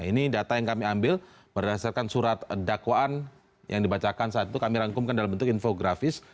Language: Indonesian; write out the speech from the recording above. ini data yang kami ambil berdasarkan surat dakwaan yang dibacakan saat itu kami rangkumkan dalam bentuk infografis